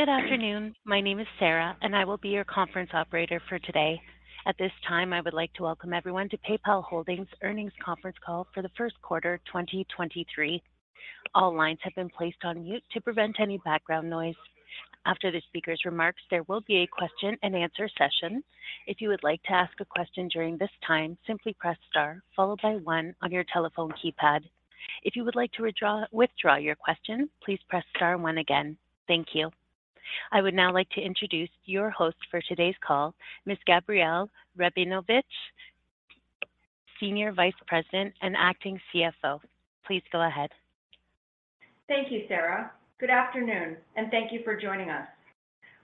Good afternoon. My name is Sarah, and I will be your conference operator for today. At this time, I would like to welcome everyone to PayPal Holdings for the first quarter, 2023. All lines have been placed on mute to prevent any background noise. After the speaker's remarks, there will be a question and answer session. If you would like to ask a question during this time, simply press star followed by 1 on your telephone keypad. If you would like to withdraw your question, please press star 1 again. Thank you. I would now like to introduce your host for today's call, Ms. Gabrielle Rabinovitch, Senior Vice President and Acting CFO. Please go ahead. Thank you, Sarah. Good afternoon, and thank you for joining us.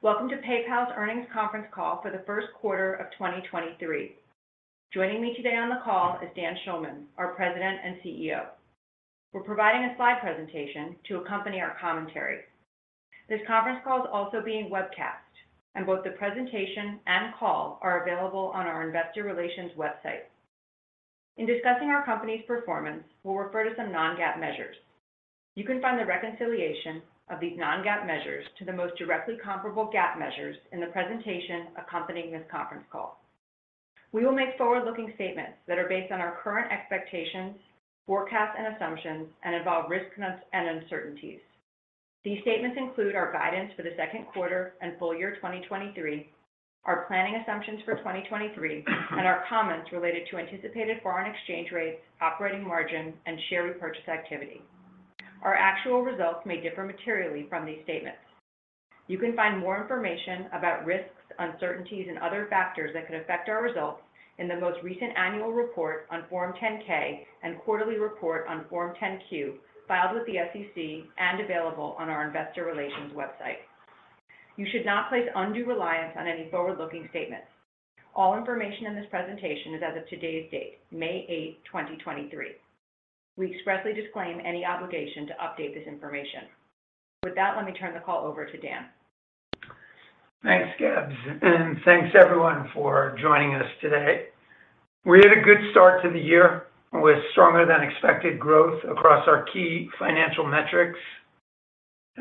Welcome to PayPal's Earnings Conference Call for the first quarter of 2023. Joining me today on the call is Dan Schulman, our President and CEO. We're providing a slide presentation to accompany our commentary. This conference call is also being webcast, and both the presentation and call are available on our investor relations website. In discussing our company's performance, we'll refer to some non-GAAP measures. You can find the reconciliation of these non-GAAP measures to the most directly comparable GAAP measures in the presentation accompanying this conference call. We will make forward-looking statements that are based on our current expectations, forecasts, and assumptions, and involve risks and uncertainties. These statements include our guidance for the second quarter and full year 2023, our planning assumptions for 2023, and our comments related to anticipated foreign exchange rates, operating margins, and share repurchase activity. Our actual results may differ materially from these statements. You can find more information about risks, uncertainties, and other factors that could affect our results in the most recent annual report on Form 10-K and quarterly report on Form 10-Q, filed with the SEC and available on our investor relations website. You should not place undue reliance on any forward-looking statements. All information in this presentation is as of today's date, May 8th, 2023. We expressly disclaim any obligation to update this information. With that, let me turn the call over to Dan. Thanks, Gabs, and thanks everyone for joining us today. We're at a good start to the year with stronger than expected growth across our key financial metrics.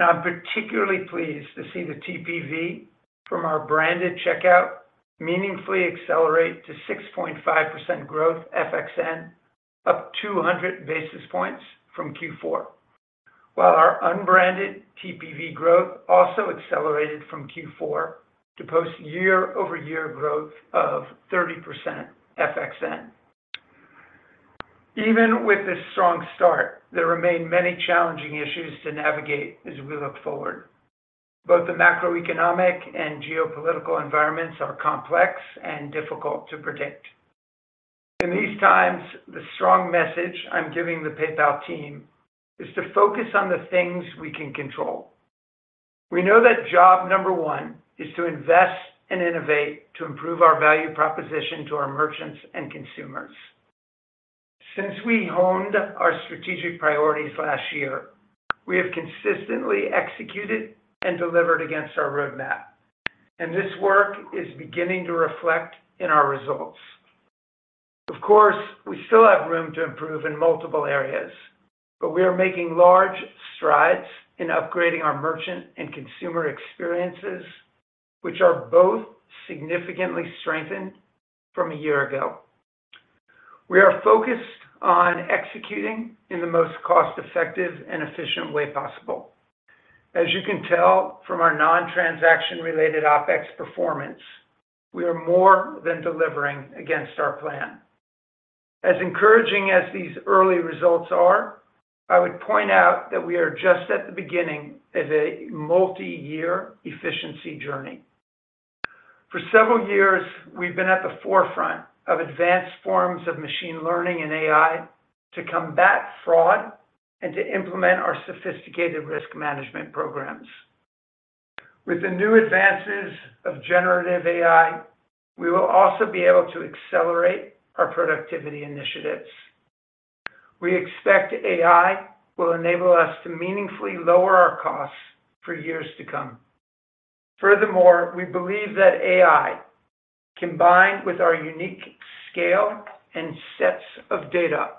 I'm particularly pleased to see the TPV from our branded checkout meaningfully accelerate to 6.5% growth FXN, up 200 basis points from Q4. While our unbranded TPV growth also accelerated from Q4 to post year-over-year growth of 30% FXN. Even with this strong start, there remain many challenging issues to navigate as we look forward. Both the macroeconomic and geopolitical environments are complex and difficult to predict. In these times, the strong message I'm giving the PayPal team is to focus on the things we can control. We know that job number one is to invest and innovate to improve our value proposition to our merchants and consumers. Since we honed our strategic priorities last year, we have consistently executed and delivered against our roadmap, and this work is beginning to reflect in our results. Of course, we still have room to improve in multiple areas, but we are making large strides in upgrading our merchant and consumer experiences, which are both significantly strengthened from a year ago. We are focused on executing in the most cost-effective and efficient way possible. As you can tell from our non-transaction related OpEx performance, we are more than delivering against our plan. As encouraging as these early results are, I would point out that we are just at the beginning of a multi-year efficiency journey. For several years, we've been at the forefront of advanced forms of machine learning and AI to combat fraud and to implement our sophisticated risk management programs. With the new advances of generative AI, we will also be able to accelerate our productivity initiatives. We expect AI will enable us to meaningfully lower our costs for years to come. Furthermore, we believe that AI, combined with our unique scale and sets of data,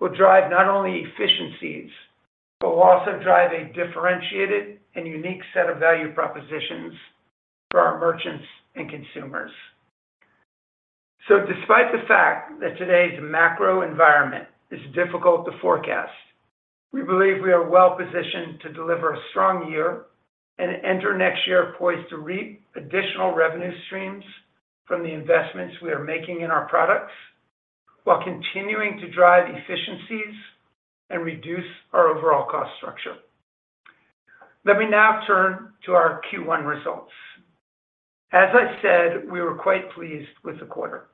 will drive not only efficiencies, but will also drive a differentiated and unique set of value propositions for our merchants and consumers. Despite the fact that today's macro environment is difficult to forecast, we believe we are well positioned to deliver a strong year and enter next year poised to reap additional revenue streams from the investments we are making in our products while continuing to drive efficiencies and reduce our overall cost structure. Let me now turn to our Q1 results. As I said, we were quite pleased with the quarter.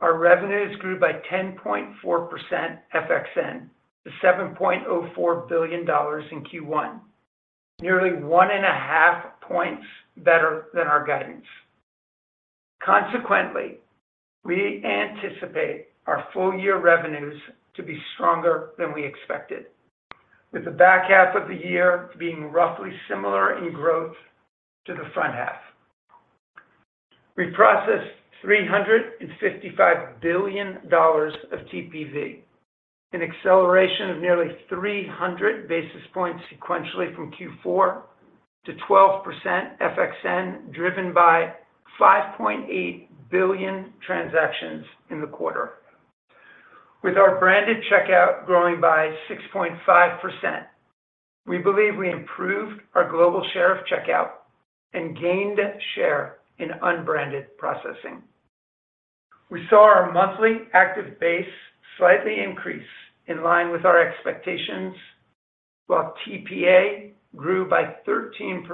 Our revenues grew by 10.4% FXN to $7.04 billion in Q1, nearly 1.5 points better than our guidance. We anticipate our full year revenues to be stronger than we expected, with the back half of the year being roughly similar in growth to the front half. We processed $355 billion of TPV, an acceleration of nearly 300 basis points sequentially from Q4 to 12% FXN, driven by 5.8 billion transactions in the quarter. With our branded checkout growing by 6.5%, we believe we improved our global share of checkout and gained share in unbranded processing. We saw our monthly active base slightly increase in line with our expectations, while TPA grew by 13%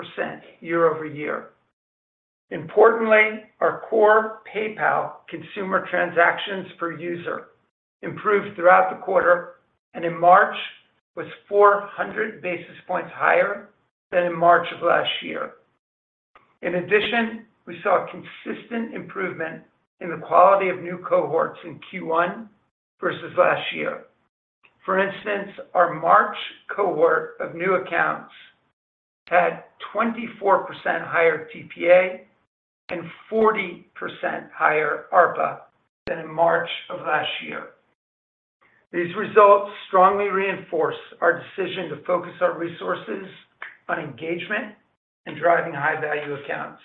year-over-year. Importantly, our core PayPal consumer transactions per user improved throughout the quarter, and in March was 400 basis points higher than in March of last year. In addition, we saw consistent improvement in the quality of new cohorts in Q1 versus last year. For instance, our March cohort of new accounts had 24% higher TPA and 40% higher ARPA than in March of last year. These results strongly reinforce our decision to focus our resources on engagement and driving high-value accounts.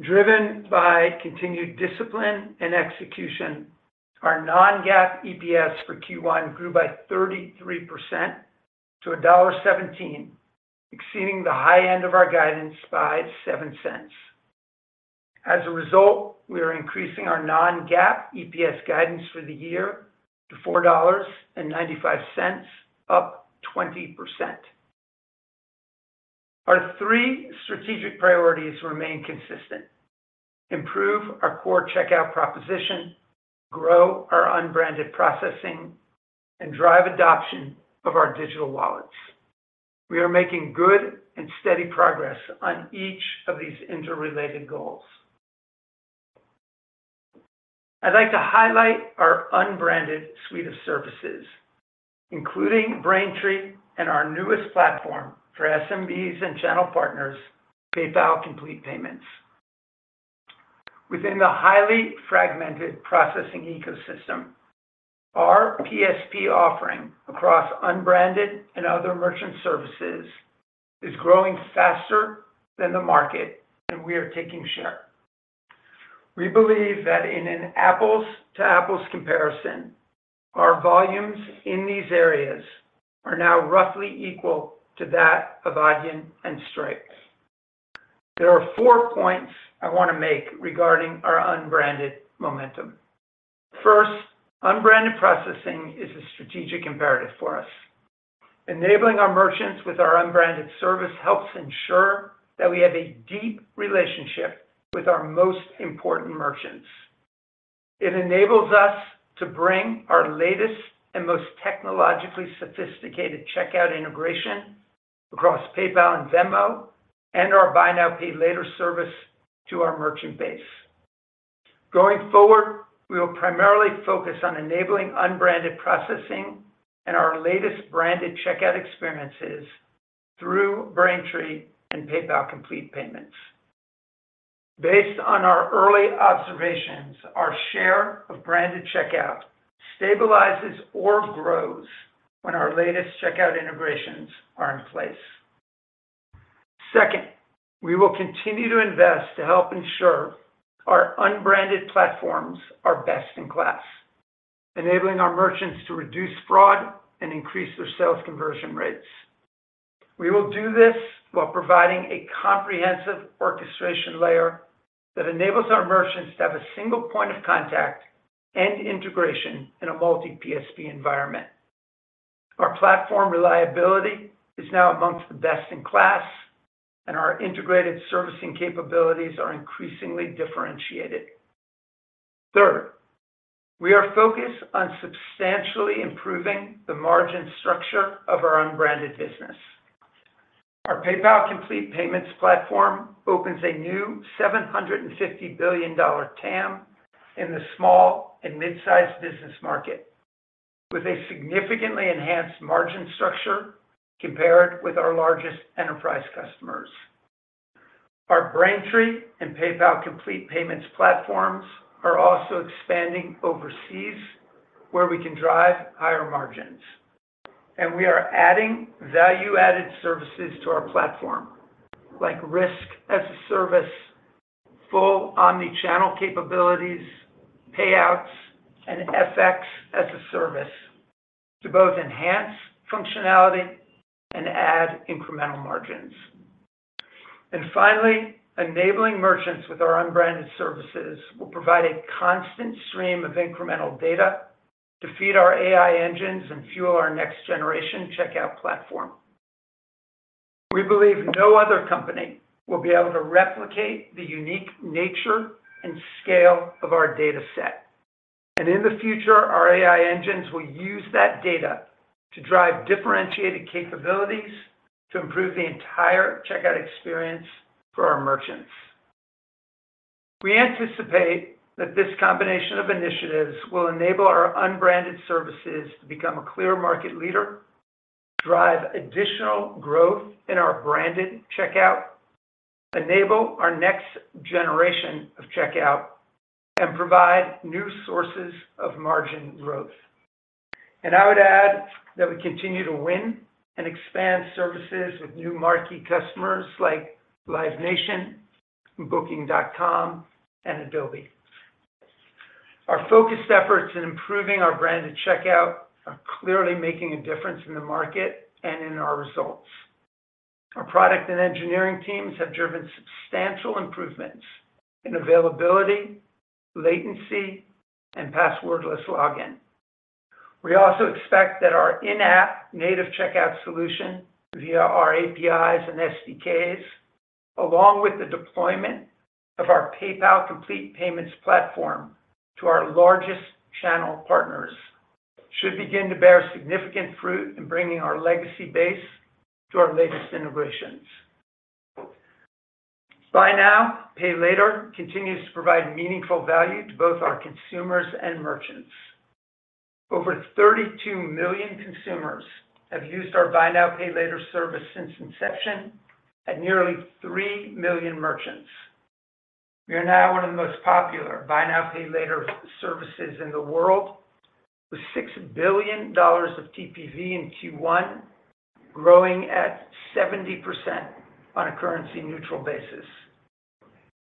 Driven by continued discipline and execution, our non-GAAP EPS for Q1 grew by 33% to $1.17, exceeding the high end of our guidance by 0.07. As a result, we are increasing our non-GAAP EPS guidance for the year to $4.95, up 20%. Our three strategic priorities remain consistent. Improve our core checkout proposition, grow our unbranded processing, and drive adoption of our digital wallets. We are making good and steady progress on each of these interrelated goals. I'd like to highlight our unbranded suite of services, including Braintree and our newest platform for SMBs and channel partners, PayPal Complete Payments. Within the highly fragmented processing ecosystem, our PSP offering across unbranded and other merchant services is growing faster than the market, and we are taking share. We believe that in an apples to apples comparison, our volumes in these areas are now roughly equal to that of Adyen and Stripe. There are four points I want to make regarding our unbranded momentum. First, unbranded processing is a strategic imperative for us. Enabling our merchants with our unbranded service helps ensure that we have a deep relationship with our most important merchants. It enables us to bring our latest and most technologically sophisticated checkout integration across PayPal and Venmo and our Buy Now, Pay Later service to our merchant base. Going forward, we will primarily focus on enabling unbranded processing and our latest branded checkout experiences through Braintree and PayPal Complete Payments. Based on our early observations, our share of branded checkout stabilizes or grows when our latest checkout integrations are in place. Second, we will continue to invest to help ensure our unbranded platforms are best in class, enabling our merchants to reduce fraud and increase their sales conversion rates. We will do this while providing a comprehensive orchestration layer that enables our merchants to have a single point of contact and integration in a multi-PSP environment. Our platform reliability is now amongst the best in class, and our integrated servicing capabilities are increasingly differentiated. Third, we are focused on substantially improving the margin structure of our unbranded business. Our PayPal Complete Payments platform opens a new $750 billion TAM in the small and mid-sized business market with a significantly enhanced margin structure compared with our largest enterprise customers. Our Braintree and PayPal Complete Payments platforms are also expanding overseas, where we can drive higher margins. We are adding value-added services to our platform, like risk as a service, full omni-channel capabilities, payouts, and FX as a service to both enhance functionality and add incremental margins. Finally, enabling merchants with our unbranded services will provide a constant stream of incremental data to feed our AI engines and fuel our next generation checkout platform. We believe no other company will be able to replicate the unique nature and scale of our data set. In the future, our AI engines will use that data to drive differentiated capabilities to improve the entire checkout experience for our merchants. We anticipate that this combination of initiatives will enable our unbranded services to become a clear market leader. Drive additional growth in our branded checkout, enable our next generation of checkout, and provide new sources of margin growth. I would add that we continue to win and expand services with new marquee customers like Live Nation, Booking.com, and Adobe. Our focused efforts in improving our branded checkout are clearly making a difference in the market and in our results. Our product and engineering teams have driven substantial improvements in availability, latency, and passwordless login. We also expect that our in-app native checkout solution via our APIs and SDKs, along with the deployment of our PayPal Complete Payments platform to our largest channel partners, should begin to bear significant fruit in bringing our legacy base to our latest integrations. Buy Now, Pay Later continues to provide meaningful value to both our consumers and merchants. Over 32 million consumers have used our Buy Now, Pay Later service since inception at nearly 3 million merchants. We are now one of the most popular Buy Now, Pay Later services in the world with $6 billion of TPV in Q1, growing at 70% on a currency neutral basis.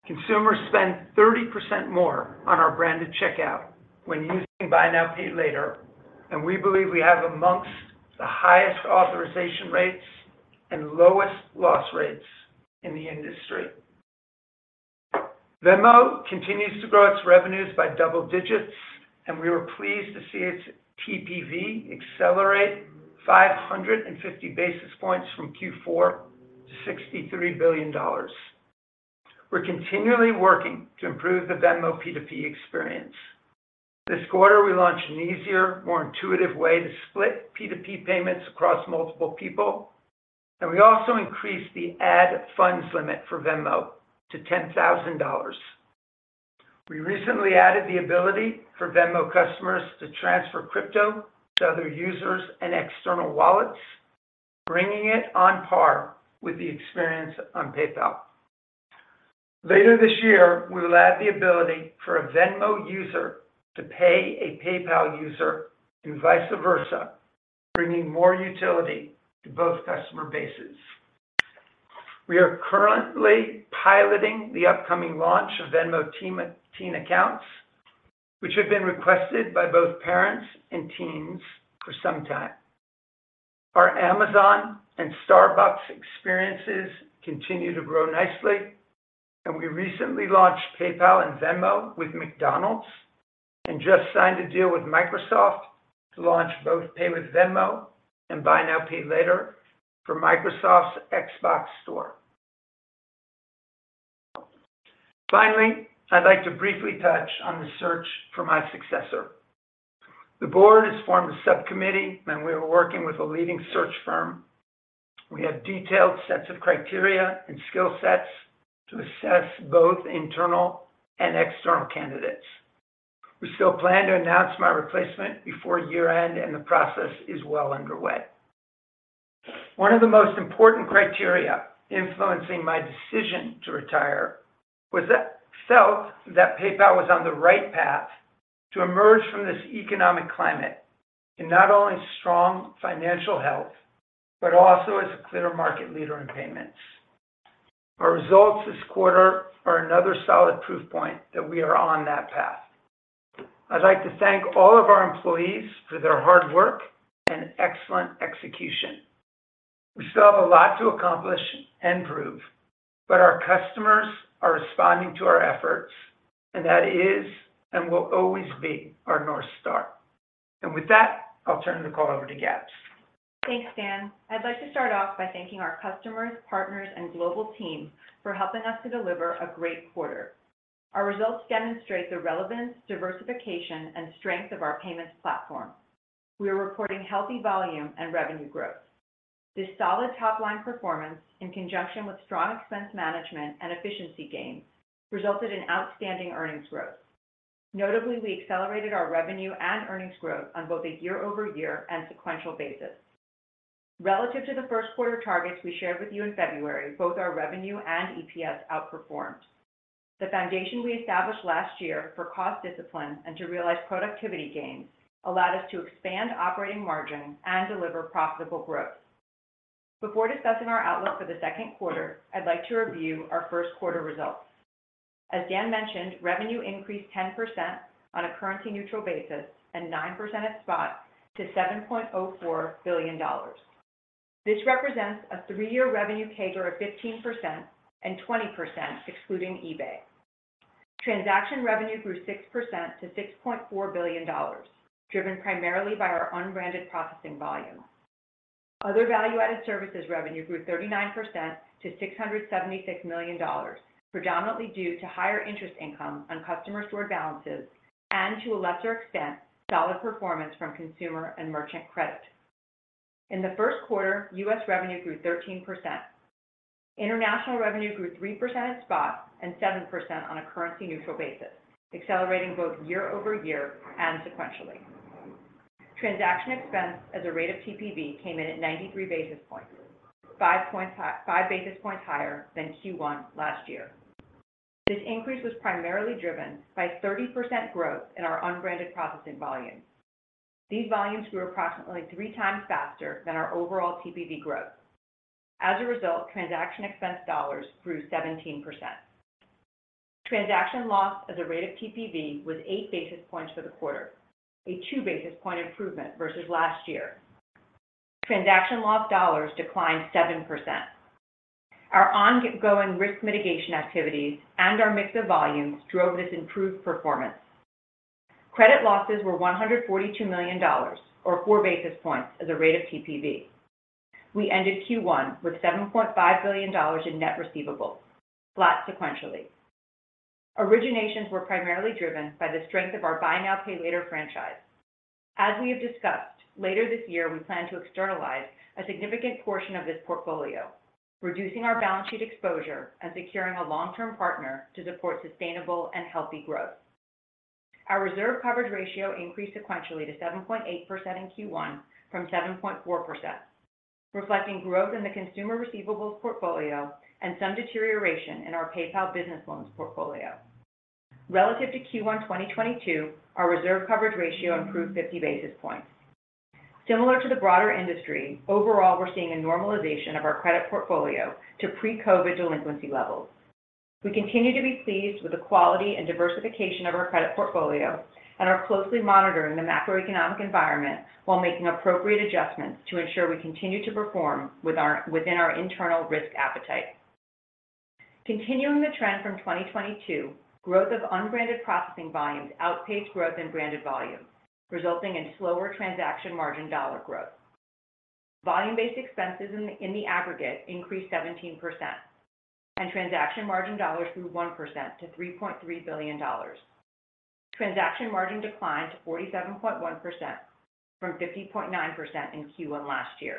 Consumers spend 30% more on our branded checkout when using Buy Now, Pay Later, and we believe we have amongst the highest authorization rates and lowest loss rates in the industry. Venmo continues to grow its revenues by double digits, and we were pleased to see its TPV accelerate 550 basis points from Q4 to $63 billion. We're continually working to improve the Venmo P2P experience. This quarter, we launched an easier, more intuitive way to split P2P payments across multiple people, and we also increased the add funds limit for Venmo to $10,000. We recently added the ability for Venmo customers to transfer crypto to other users and external wallets, bringing it on par with the experience on PayPal. Later this year, we will add the ability for a Venmo user to pay a PayPal user and vice versa, bringing more utility to both customer bases. We are currently piloting the upcoming launch of Venmo Teen accounts, which have been requested by both parents and teens for some time. Our Amazon and Starbucks experiences continue to grow nicely, and we recently launched PayPal and Venmo with McDonald's and just signed a deal with Microsoft to launch both Pay with Venmo and Buy Now, Pay Later for Microsoft's Xbox Store. Finally, I'd like to briefly touch on the search for my successor. The board has formed a subcommittee, and we are working with a leading search firm. We have detailed sets of criteria and skill sets to assess both internal and external candidates. We still plan to announce my replacement before year-end, and the process is well underway. One of the most important criteria influencing my decision to retire was that felt that PayPal was on the right path to emerge from this economic climate in not only strong financial health, but also as a clear market leader in payments. Our results this quarter are another solid proof point that we are on that path. I'd like to thank all of our employees for their hard work and excellent execution. We still have a lot to accomplish and prove, but our customers are responding to our efforts, and that is, and will always be our North Star. With that, I'll turn the call over to Gab. Thanks, Dan. I'd like to start off by thanking our customers, partners, and global team for helping us to deliver a great quarter. Our results demonstrate the relevance, diversification, and strength of our payments platform. We are reporting healthy volume and revenue growth. This solid top-line performance, in conjunction with strong expense management and efficiency gains, resulted in outstanding earnings growth. Notably, we accelerated our revenue and earnings growth on both a year-over-year and sequential basis. Relative to the first quarter targets we shared with you in February, both our revenue and EPS outperformed. The foundation we established last year for cost discipline and to realize productivity gains allowed us to expand operating margin and deliver profitable growth. Before discussing our outlook for the second quarter, I'd like to review our first quarter results. As Dan mentioned, revenue increased 10% on a currency neutral basis and 9% at spot to $7.04 billion. This represents a three-year revenue CAGR of 15% and 20% excluding eBay. Transaction revenue grew 6% to $6.4 billion, driven primarily by our unbranded processing volume. Other value-added services revenue grew 39% to $676 million, predominantly due to higher interest income on customer stored balances and, to a lesser extent, solid performance from consumer and merchant credit. In the first quarter, U.S. revenue grew 13%. International revenue grew 3% at spot and 7% on a currency neutral basis, accelerating both year-over-year and sequentially. Transaction expense as a rate of TPV came in at 93 basis points, 5 basis points higher than Q1 last year. This increase was primarily driven by 30% growth in our unbranded processing volumes. These volumes grew approximately three times faster than our overall TPV growth. As a result, transaction expense dollars grew 17%. Transaction loss as a rate of TPV was eight basis points for the quarter, a two basis point improvement versus last year. Transaction loss dollars declined 7%. Our ongoing risk mitigation activities and our mix of volumes drove this improved performance. Credit losses were $142 million or four basis points as a rate of TPV. We ended Q1 with $7.5 billion in net receivables, flat sequentially. Originations were primarily driven by the strength of our Buy Now, Pay Later franchise. As we have discussed, later this year, we plan to externalize a significant portion of this portfolio, reducing our balance sheet exposure and securing a long-term partner to support sustainable and healthy growth. Our reserve coverage ratio increased sequentially to 7.8% in Q1 from 7.4%, reflecting growth in the consumer receivables portfolio and some deterioration in our PayPal Business Loans portfolio. Relative to Q1 2022, our reserve coverage ratio improved 50 basis points. Similar to the broader industry, overall, we're seeing a normalization of our credit portfolio to pre-COVID delinquency levels. We continue to be pleased with the quality and diversification of our credit portfolio and are closely monitoring the macroeconomic environment while making appropriate adjustments to ensure we continue to perform within our internal risk appetite. Continuing the trend from 2022, growth of unbranded processing volumes outpaced growth in branded volumes, resulting in slower transaction margin dollar growth. Volume-based expenses in the aggregate increased 17%. Transaction margin dollars grew 1% to $3.3 billion. Transaction margin declined to 47.1% from 50.9% in Q1 last year.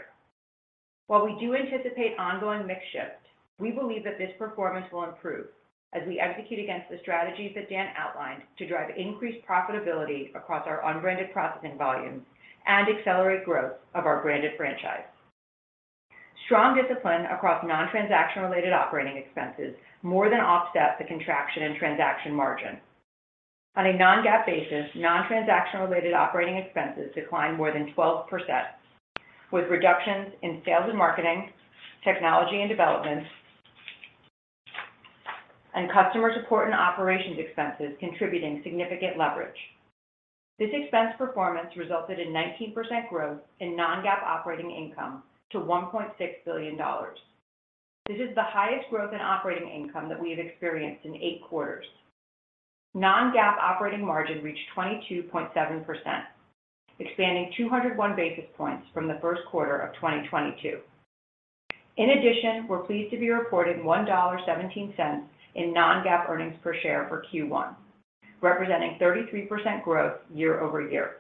While we do anticipate ongoing mix shift, we believe that this performance will improve as we execute against the strategies that Dan outlined to drive increased profitability across our unbranded processing volumes and accelerate growth of our branded franchise. Strong discipline across non-transaction-related operating expenses more than offset the contraction in transaction margin. On a non-GAAP basis, non-transaction-related operating expenses declined more than 12%, with reductions in sales and marketing, technology and development, and customer support and operations expenses contributing significant leverage. This expense performance resulted in 19% growth in non-GAAP operating income to $1.6 billion. This is the highest growth in operating income that we have experienced in eight quarters. Non-GAAP operating margin reached 22.7%, expanding 201 basis points from the first quarter of 2022. In addition, we're pleased to be reporting $1.17 in non-GAAP earnings per share for Q1, representing 33% growth year-over-year.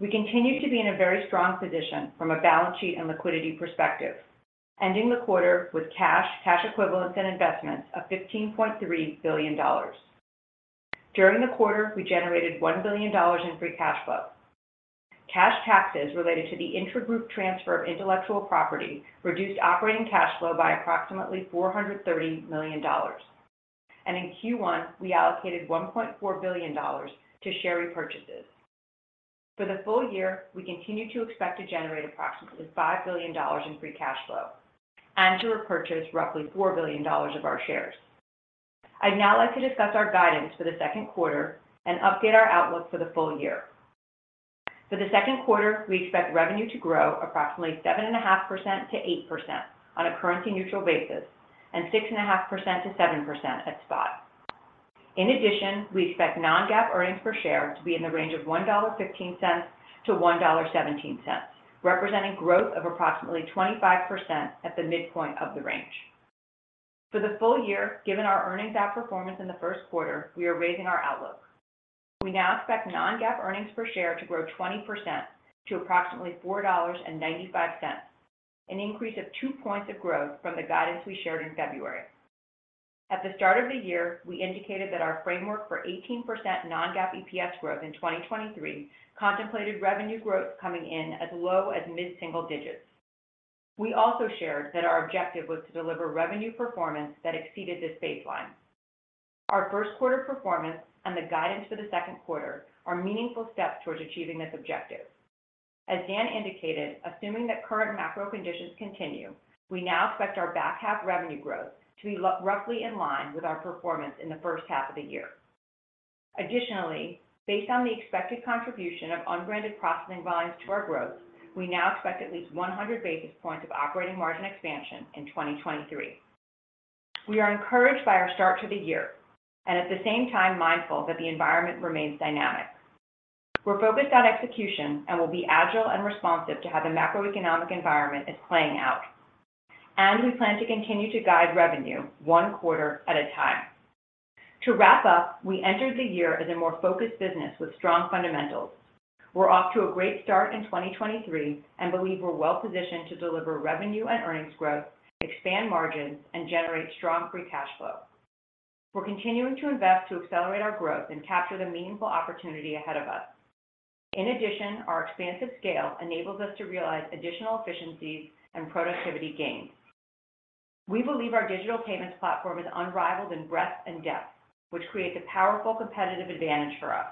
We continue to be in a very strong position from a balance sheet and liquidity perspective, ending the quarter with cash equivalents, and investments of $15.3 billion. During the quarter, we generated $1 billion in free cash flow. Cash taxes related to the intragroup transfer of intellectual property reduced operating cash flow by approximately $430 million. In Q1, we allocated $1.4 billion to share repurchases. For the full year, we continue to expect to generate approximately $5 billion in free cash flow and to repurchase roughly $4 billion of our shares. I'd now like to discuss our guidance for the second quarter and update our outlook for the full year. For the second quarter, we expect revenue to grow approximately 7.5%-8% on a currency neutral basis and 6.5%-7% at spot. In addition, we expect non-GAAP earnings per share to be in the range of $1.15-$1.17, representing growth of approximately 25% at the midpoint of the range. For the full year, given our earnings gap performance in the first quarter, we are raising our outlook. We now expect non-GAAP earnings per share to grow 20% to approximately $4.95, an increase of two points of growth from the guidance we shared in February. At the start of the year, we indicated that our framework for 18% non-GAAP EPS growth in 2023 contemplated revenue growth coming in as low as mid-single digits. We also shared that our objective was to deliver revenue performance that exceeded this baseline. Our first quarter performance and the guidance for the second quarter are meaningful steps towards achieving this objective. As Dan indicated, assuming that current macro conditions continue, we now expect our back half revenue growth to be roughly in line with our performance in the first half of the year. Additionally, based on the expected contribution of unbranded processing volumes to our growth, we now expect at least 100 basis points of operating margin expansion in 2023. We are encouraged by our start to the year and at the same time mindful that the environment remains dynamic. We're focused on execution and will be agile and responsive to how the macroeconomic environment is playing out. We plan to continue to guide revenue one quarter at a time. To wrap up, we entered the year as a more focused business with strong fundamentals. We're off to a great start in 2023 and believe we're well positioned to deliver revenue and earnings growth, expand margins, and generate strong free cash flow. We're continuing to invest to accelerate our growth and capture the meaningful opportunity ahead of us. In addition, our expansive scale enables us to realize additional efficiencies and productivity gains. We believe our digital payments platform is unrivaled in breadth and depth, which creates a powerful competitive advantage for us.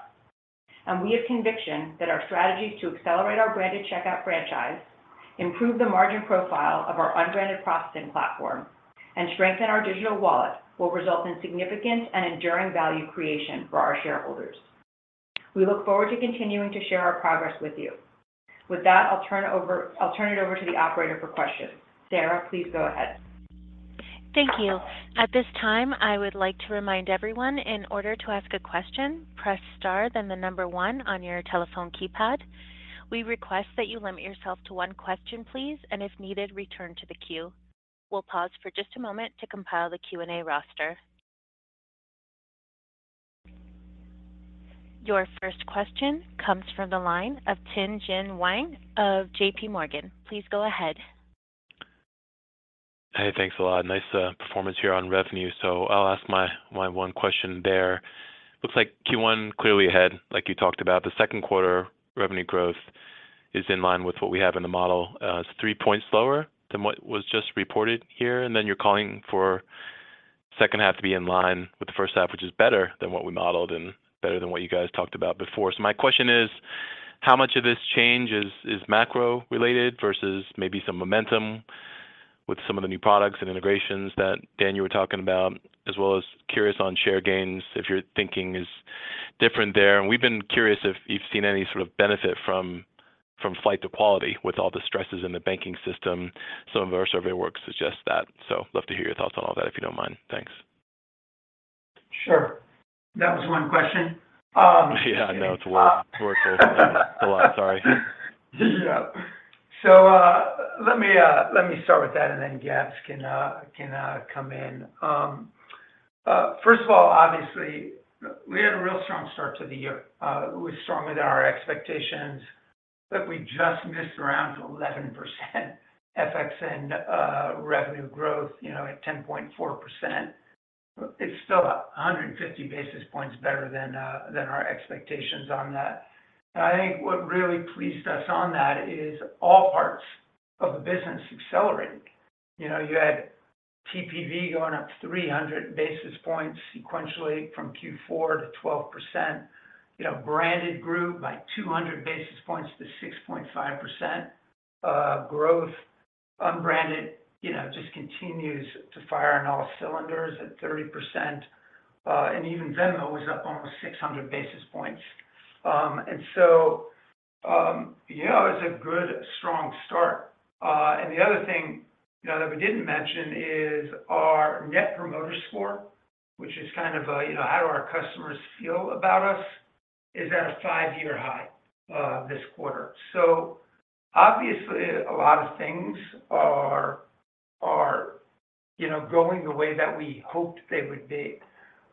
We have conviction that our strategies to accelerate our branded checkout franchise, improve the margin profile of our unbranded processing platform, and strengthen our digital wallet will result in significant and enduring value creation for our shareholders. We look forward to continuing to share our progress with you. With that, I'll turn it over to the operator for questions. Sarah, please go ahead. Thank you. At this time, I would like to remind everyone in order to ask a question, press star then 1 on your telephone keypad. We request that you limit yourself to one question, please, and if needed, return to the queue. We'll pause for just a moment to compile the Q&A roster. Your first question comes from the line of Tien-Tsin Huang of J.P. Morgan. Please go ahead. Hey, thanks a lot. Nice performance here on revenue. I'll ask my one question there. Looks like Q1 clearly ahead, like you talk about. The second quarter revenue growth is in line with what we have in the model. It's three points lower than what was just reported here, and then you're calling for second half to be in line with the first half, which is better than what we modeled and better than what you guys talked about before. My question is, how much of this change is macro-related versus maybe some momentum with some of the new products and integrations that, Dan, you were talking about? As well as curious on share gains, if your thinking is different there. We've been curious if you've seen any sort of benefit from flight to quality with all the stresses in the banking system. Some of our survey work suggests that. Love to hear your thoughts on all that, if you don't mind. Thanks. Sure. That was one question? Yeah. No, it's worth it. It's a lot. Sorry. Yeah. Let me, let me start with that and then Gabs can, come in. First of all, obviously we had a real strong start to the year. It was stronger than our expectations. Look, we just missed around 11% FX and revenue growth, you know, at 10.4%. It's still 150 basis points better than our expectations on that. I think what really pleased us on that is all parts of the business accelerated. You know, you had TPV going up 300 basis points sequentially from Q4 to 12%. You know, branded grew by 200 basis points to 6.5% growth. Unbranded, you know, just continues to fire on all cylinders at 30%. Even Venmo was up almost 600 basis points. You know, it's a good, strong start. The other thing, you know, that we didn't mention is our Net Promoter Score, which is kind of a, you know, how do our customers feel about us, is at a 5-year high this quarter. Obviously a lot of things are, you know, going the way that we hoped they would be.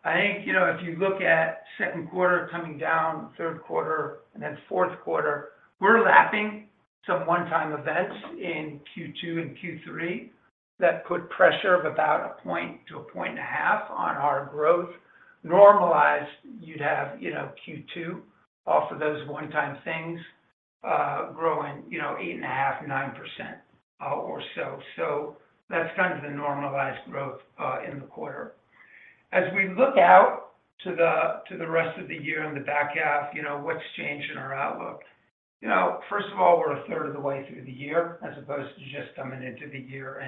I think, you know, if you look at second quarter coming down, third quarter and then fourth quarter, we're lapping some one-time events in Q2 and Q3 that put pressure of about one percentage point to 1.5 percentage points on our growth. Normalized, you'd have, you know, Q2 off of those one-time things, growing, you know, 8.5%-9% or so. That's kind of the normalized growth in the quarter. As we look out to the rest of the year in the back half, you know, what's changed in our outlook? You know, first of all, we're a third of the way through the year as opposed to just coming into the year.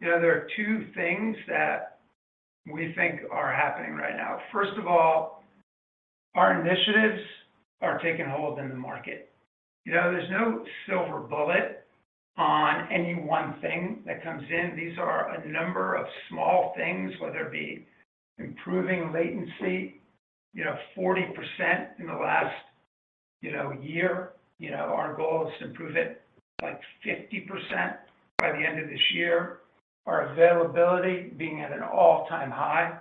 You know, there are two things that we think are happening right now. First of all, our initiatives are taking hold in the market. You know, there's no silver bullet on any one thing that comes in. These are a number of small things, whether it be improving latency, you know, 40% in the last, you know, year. You know, our goal is to improve it by 50% by the end of this year. Our availability being at an all-time high.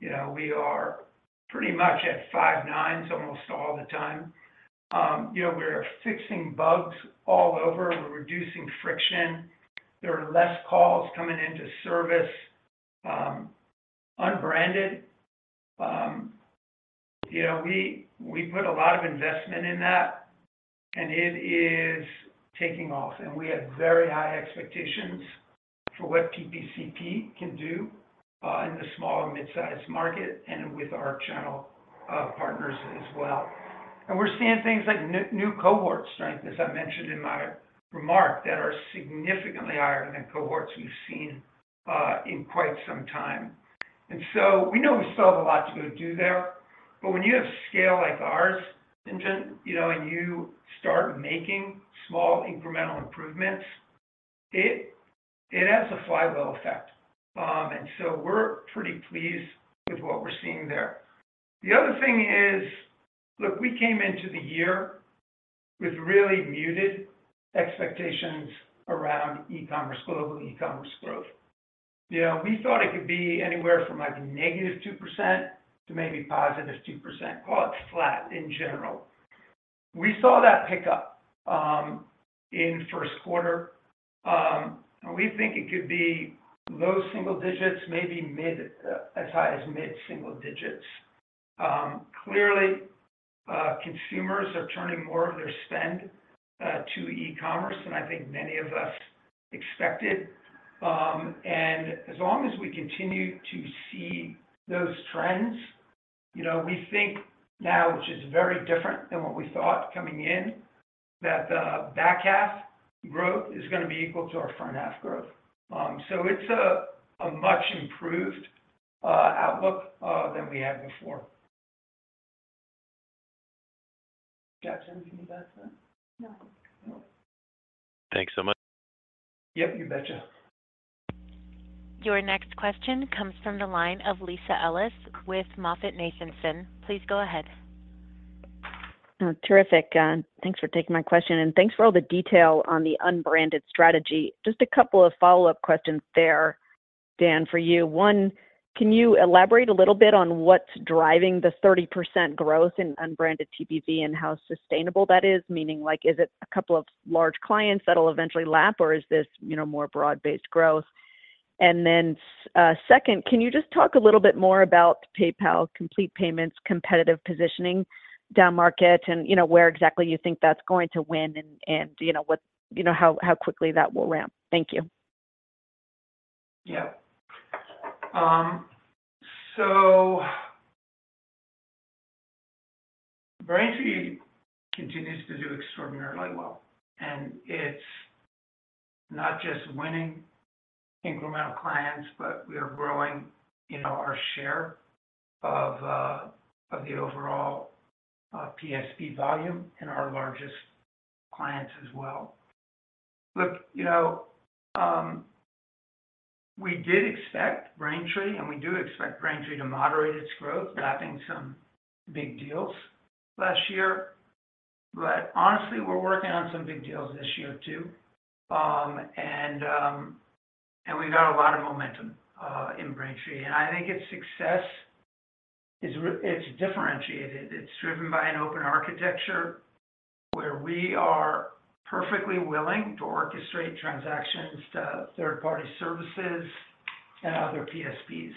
You know, we are pretty much at five nines almost all the time. You know, we're fixing bugs all over. We're reducing friction. There are less calls coming into service. unbranded, you know, we put a lot of investment in that, and it is taking off. We have very high expectations for what PPCP can do in the small and midsize market and with our channel partners as well. We're seeing things like new cohort strength, as I mentioned in my remark, that are significantly higher than cohorts we've seen in quite some time. We know we still have a lot to go do there. When you have scale like ours, and then, you know, and you start making small incremental improvements, it has a flywheel effect. So we're pretty pleased with what we're seeing there. The other thing is, look, we came into the yearWith really muted expectations around e-commerce, global e-commerce growth. You know, we thought it could be anywhere from like negative 2% to maybe positive 2%. Call it flat in general. We saw that pick up in first quarter. We think it could be low single digits, maybe mid, as high as mid single digits. Clearly, consumers are turning more of their spend to e-commerce than I think many of us expected. As long as we continue to see those trends, you know, we think now, which is very different than what we thought coming in, that the back half growth is gonna be equal to our front half growth. It's a much improved outlook than we had before. Jackson, can you add to that? No. No. Thanks so much. Yep, you betcha. Your next question comes from the line of Lisa Ellis with MoffettNathanson. Please go ahead. Terrific. Thanks for taking my question, and thanks for all the detail on the unbranded strategy. Just a couple of follow-up questions there, Dan, for you. One, can you elaborate a little bit on what's driving the 30% growth in unbranded TPV and how sustainable that is? Meaning like, is it a couple of large clients that'll eventually lap, or is this, you know, more broad-based growth? Second, can you just talk a little bit more about PayPal Complete Payments, competitive positioning down market and, you know, where exactly you think that's going to win and do you know how quickly that will ramp? Thank you. Yeah. Braintree continues to do extraordinarily well, and it's not just winning incremental clients, but we are growing, you know, our share of the overall PSP volume and our largest clients as well. Look, you know, we did expect Braintree, and we do expect Braintree to moderate its growth, lapping some big deals last year. Honestly, we're working on some big deals this year too. We've got a lot of momentum in Braintree. I think its success is it's differentiated. It's driven by an open architecture where we are perfectly willing to orchestrate transactions to third-party services and other PSPs.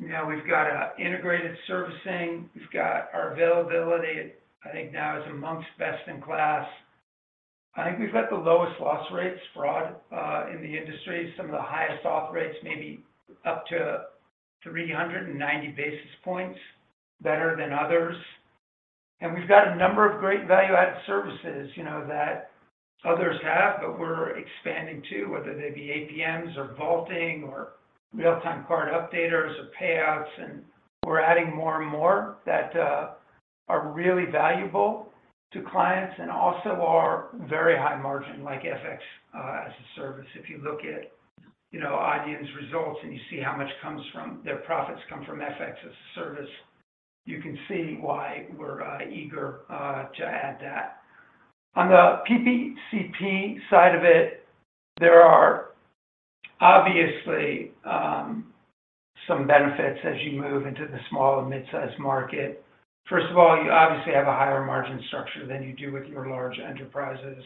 You know, we've got an integrated servicing. We've got our availability, I think now is amongst best in class. I think we've got the lowest loss rates fraud in the industry, some of the highest auth rates, maybe up to 390 basis points better than others. We've got a number of great value-added services, you know, that others have, but we're expanding too, whether they be APMs or vaulting or real-time card updaters or payouts. We're adding more and more that are really valuable to clients and also are very high margin, like FX as a service. If you look at, you know, Adyen's results and you see how much their profits come from FX-as-a-service, you can see why we're eager to add that. On the PPCP side of it, there are obviously some benefits as you move into the small and midsize market. First of all, you obviously have a higher margin structure than you do with your large enterprises.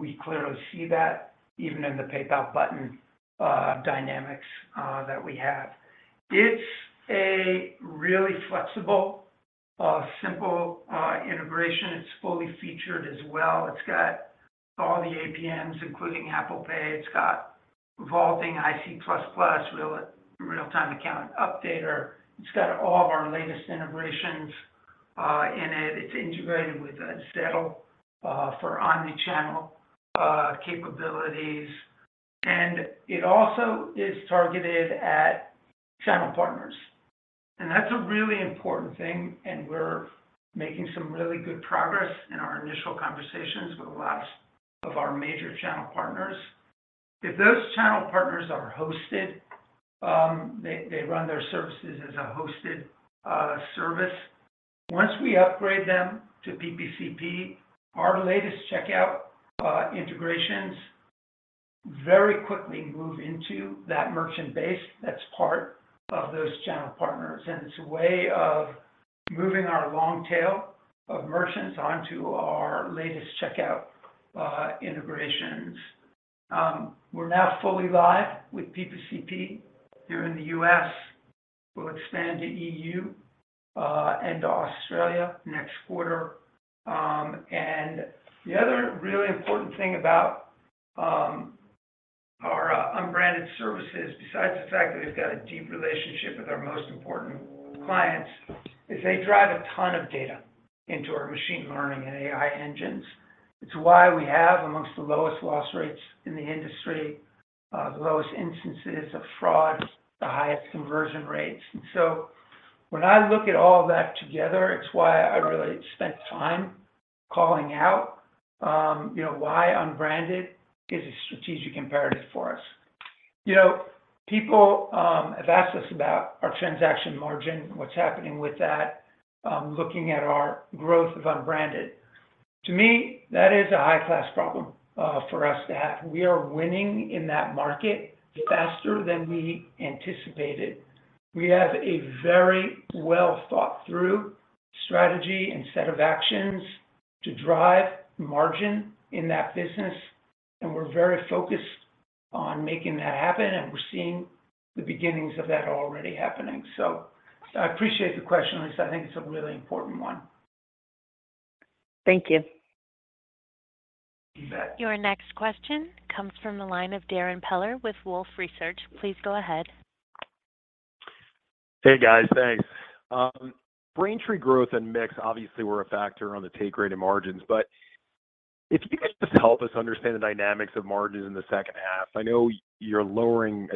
We clearly see that even in the PayPal button dynamics that we have. It's a really flexible, simple integration. It's fully featured as well. It's got all the APMs, including Apple Pay. It's got vaulting IC++, real-time account updater. It's got all of our latest integrations in it. It's integrated with Adyen for omni-channel capabilities. It also is targeted at channel partners. That's a really important thing, and we're making some really good progress in our initial conversations with lots of our major channel partners. If those channel partners are hosted, they run their services as a hosted service. Once we upgrade them to PPCP, our latest checkout integrations very quickly move into that merchant base that's part of those channel partners, and it's a way of moving our long tail of merchants onto our latest checkout integrations. We're now fully live with PPCP here in the US. We'll expand to EU and to Australia next quarter. The other really important thing about our unbranded services, besides the fact that it's got a deep relationship with our most important clients, is they drive a ton of data into our machine learning and AI engines. It's why we have amongst the lowest loss rates in the industry, the lowest instances of fraud, the highest conversion rates. When I look at all that together, it's why I really spent time calling out, you know, why unbranded is a strategic imperative for us. You know, people have asked us about our transaction margin, what's happening with that, looking at our growth of unbranded. To me, that is a high-class problem for us to have. We are winning in that market faster than we anticipated. We have a very well-thought-through strategy and set of actions to drive margin in that business, and we're very focused on making that happen, and we're seeing the beginnings of that already happening. I appreciate the question. I just think it's a really important one. Thank you. You bet. Your next question comes from the line of Darrin Peller with Wolfe Research. Please go ahead. Hey, guys. Thanks. Braintree growth and mix obviously were a factor on the take rate in margins. If you could just help us understand the dynamics of margins in the second half. I know I think you're lowering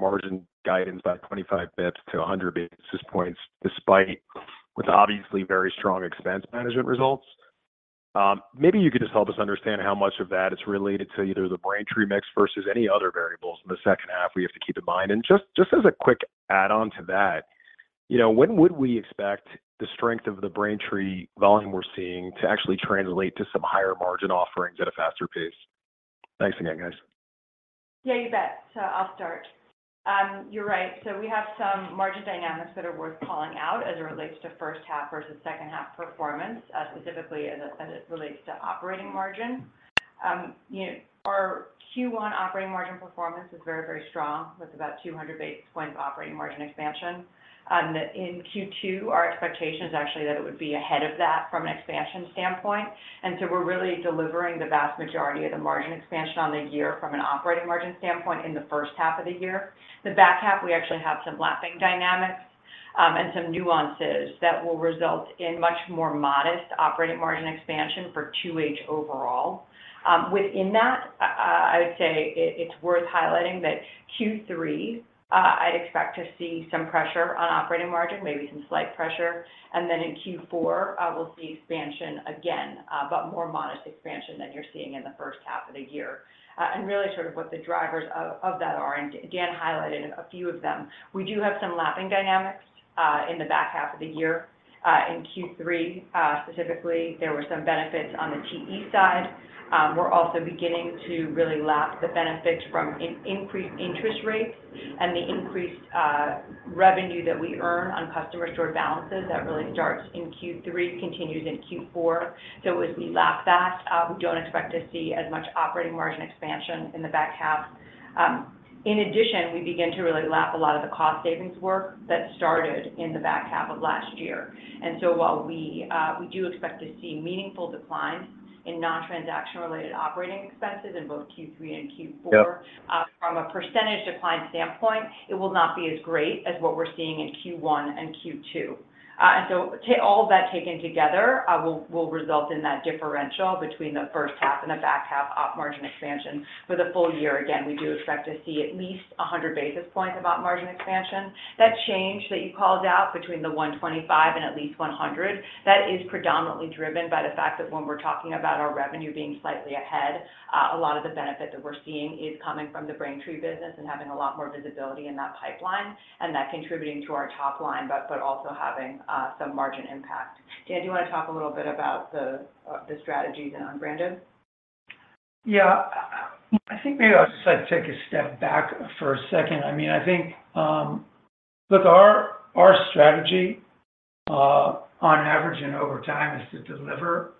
margin guidance by 25 basis points to 100 basis points despite with obviously very strong expense management results. Maybe you could just help us understand how much of that is related to either the Braintree mix versus any other variables in the second half we have to keep in mind. Just as a quick add-on to that, you know, when would we expect the strength of the Braintree volume we're seeing to actually translate to some higher margin offerings at a faster pace? Thanks again, guys. Yeah, you bet. I'll start. You're right. We have some margin dynamics that are worth calling out as it relates to first half versus second half performance, specifically as it relates to operating margin. You know, our Q1 operating margin performance is very, very strong with about 200 basis points operating margin expansion. In Q2, our expectation is actually that it would be ahead of that from an expansion standpoint. We're really delivering the vast majority of the margin expansion on the year from an operating margin standpoint in the first half of the year. The back half, we actually have some lapping dynamics, and some nuances that will result in much more modest operating margin expansion for 2H overall. Within that, I would say it's worth highlighting that Q3, I'd expect to see some pressure on operating margin, maybe some slight pressure. In Q4, we'll see expansion again, but more modest expansion than you're seeing in the first half of the year. Really sort of what the drivers of that are, and Dan highlighted a few of them. We do have some lapping dynamics in the back half of the year. In Q3, specifically, there were some benefits on the TE side. We're also beginning to really lap the benefits from increased interest rates and the increased revenue that we earn on customer store balances that really starts in Q3, continues in Q4. As we lap that, we don't expect to see as much operating margin expansion in the back half. In addition, we begin to really lap a lot of the cost savings work that started in the back half of last year. While we do expect to see meaningful declines in non-transaction related operating expenses in both Q3 and Q4. Yeah... from a % decline standpoint, it will not be as great as what we're seeing in Q1 and Q2. All of that taken together will result in that differential between the first half and the back half op margin expansion. For the full year, again, we do expect to see at least 100 basis points of op margin expansion. That change that you called out between the 125 and at least 100, that is predominantly driven by the fact that when we're talking about our revenue being slightly ahead, a lot of the benefit that we're seeing is coming from the Braintree business and having a lot more visibility in that pipeline and that contributing to our top line, but also having some margin impact. Dan, do you want to talk a little bit about the strategy then on branded? Yeah. I think maybe I'll just like take a step back for a second. I mean, I think, look, our strategy on average and over time is to deliver,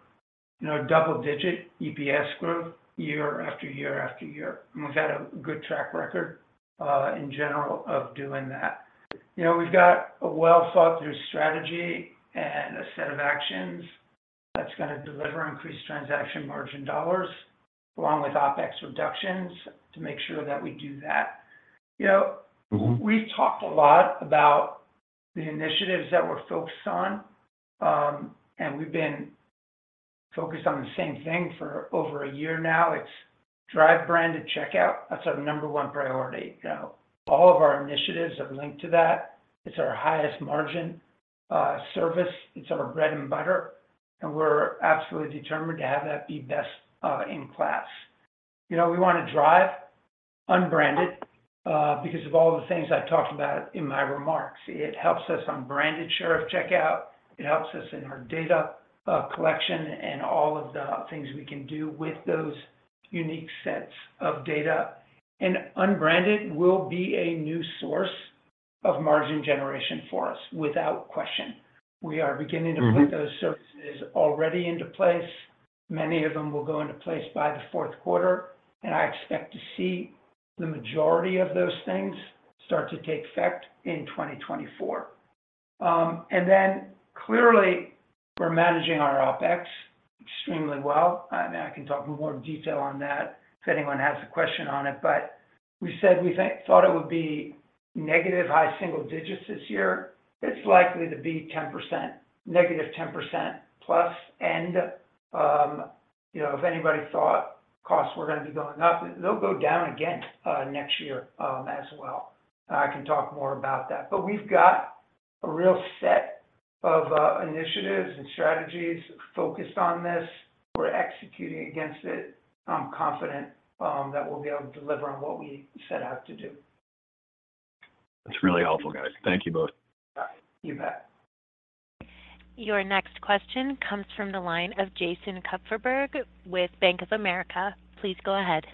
you know, double-digit EPS growth year after year after year. We've had a good track record in general of doing that. You know, we've got a well-thought-through strategy and a set of actions that's gonna deliver increased transaction margin dollars along with OpEx reductions to make sure that we do that. You know. Mm-hmm we've talked a lot about the initiatives that we're focused on, and we've been focused on the same thing for over a year now. It's drive branded checkout. That's our number one priority. You know, all of our initiatives have linked to that. It's our highest margin service. It's our bread and butter, and we're absolutely determined to have that be best in class. You know, we want to drive unbranded because of all the things I talked about in my remarks. It helps us on branded checkout. It helps us in our data collection and all of the things we can do with those unique sets of data. Unbranded will be a new source of margin generation for us without question. Mm-hmm... put those services already into place. Many of them will go into place by the fourth quarter. Then clearly, we're managing our OpEx extremely well. I mean, I can talk in more detail on that if anyone has a question on it. We said we thought it would be negative high single digits this year. It's likely to be 10%, negative 10% plus. You know, if anybody thought costs were gonna be going up, they'll go down again next year as well. I can talk more about that. We've got a real set of initiatives and strategies focused on this. We're executing against it. I'm confident that we'll be able to deliver on what we set out to do. That's really helpful, guys. Thank you both. You bet. Your next question comes from the line of Jason Kupferberg with Bank of America. Please go ahead.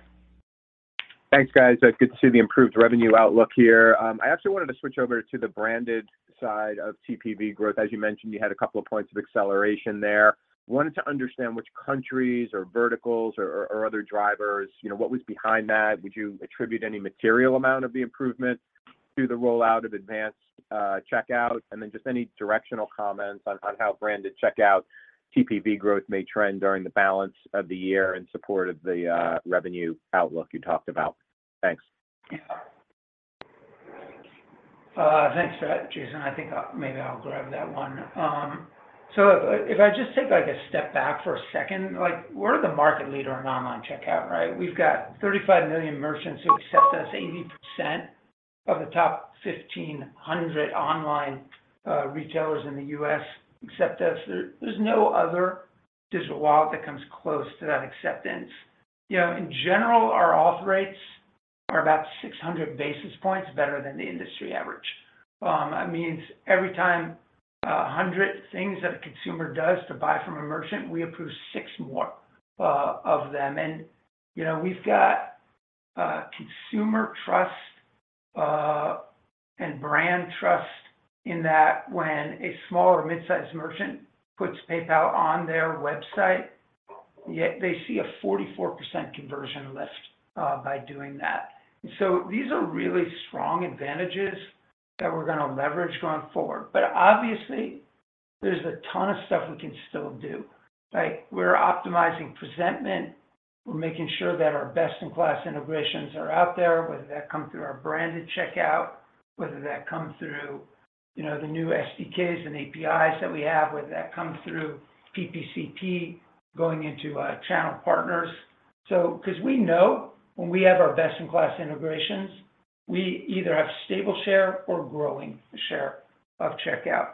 Thanks, guys. It's good to see the improved revenue outlook here. I actually wanted to switch over to the branded side of TPV growth. As you mentioned, you had a couple of points of acceleration there. Wanted to understand which countries or verticals or other drivers, you know, what was behind that? Would you attribute any material amount of the improvement to the rollout of advanced checkout? Just any directional comments on how branded checkout TPV growth may trend during the balance of the year in support of the revenue outlook you talked about. Thanks. Yeah. Thanks for that, Jason. I think, maybe I'll grab that one. If I just take, like, a step back for a second, like, we're the market leader in online checkout, right? We've got 35 million merchants who accept us. 80% of the top 1,500 online retailers in the U.S. accept us. There's no other digital wallet that comes close to that acceptance. You know, in general, our auth rates are about 600 basis points better than the industry average. That means every time 100 things that a consumer does to buy from a merchant, we approve six more of them. You know, we've got consumer trust and brand trust in that when a small or mid-sized merchant puts PayPal on their website, they see a 44% conversion lift by doing that. These are really strong advantages that we're going to leverage going forward. Obviously, there's a ton of stuff we can still do. Like, we're optimizing presentment. We're making sure that our best-in-class integrations are out there, whether that comes through our branded checkout, whether that comes through, you know, the new SDKs and APIs that we have, whether that comes through PPCP going into channel partners. 'Cause we know when we have our best-in-class integrations, we either have stable share or growing share of checkout.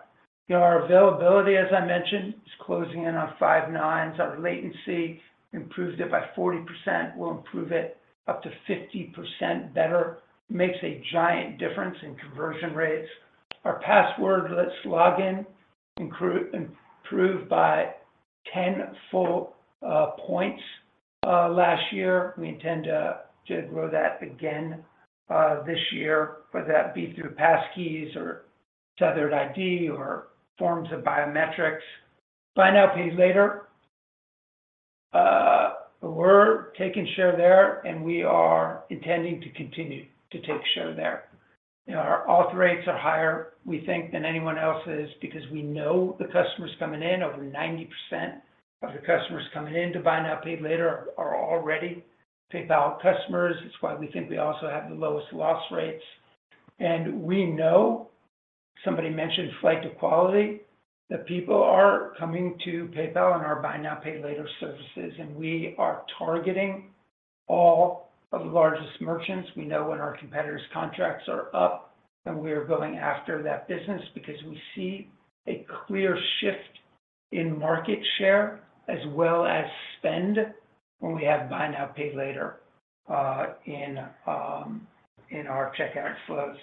You know, our availability, as I mentioned, is closing in on five nines. Our latency improved it by 40%. We'll improve it up to 50% better. Makes a giant difference in conversion rates. Our passwordless login improved by 10 full points last year. We intend to grow that again, this year, whether that be through passkeys or tethered ID or forms of biometrics. Buy Now, Pay Later. We're taking share there, and we are intending to continue to take share there. Our auth rates are higher, we think, than anyone else's because we know the customers coming in. Over 90% of the customers coming in to Buy Now, Pay Later are already PayPal customers. It's why we think we also have the lowest loss rates. We know, somebody mentioned flight to quality, that people are coming to PayPal and our Buy Now, Pay Later services, and we are targeting all of the largest merchants. We know when our competitors' contracts are up, and we are going after that business because we see a clear shift in market share as well as spend when we have Buy Now, Pay Later in our checkout flows.